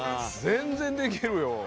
全然できるよ。